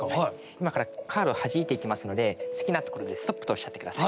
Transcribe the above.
今からカードをはじいていきますので好きなところで「ストップ」とおっしゃって下さい。